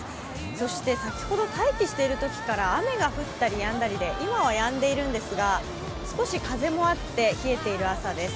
そして先ほど待機しているときから雨が降ったりやんだりで今はやんでいるんですが少し風もあって冷えている朝です。